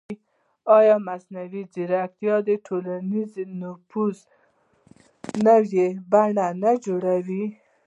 ایا مصنوعي ځیرکتیا د ټولنیز نفوذ نوې بڼې نه جوړوي؟